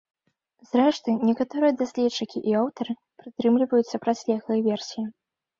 Зрэшты, некаторыя даследчыкі і аўтары прытрымліваюцца процілеглай версіі.